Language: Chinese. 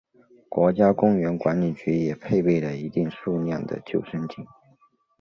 国家公园管理局也配备了一定数量的救生艇。